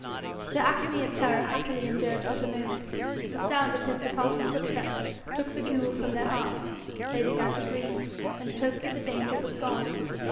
The acme of terror happily endured but a moment. The sound of his departing footsteps took the ghoul from their hearts; they began to breathe, and to hope that the danger was gone.